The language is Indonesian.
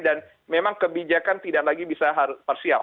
dan memang kebijakan tidak lagi bisa parsial